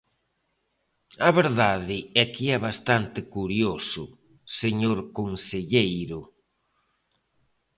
A verdade é que é bastante curioso, señor conselleiro.